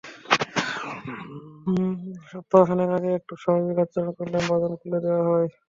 সপ্তাহ খানেক আগে একটু স্বাভাবিক আচরণ করলে বাঁধন খুলে দেওয়া হয়।